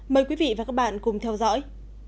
mời quý vị và các bạn cùng theo dõi